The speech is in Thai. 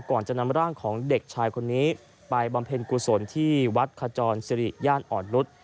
ก่อนจะนำร่างของเด็กชายคนนี้ไปบำเพ็ญกุศลที่วัดขจรสิริย่านอ่อนนุษย์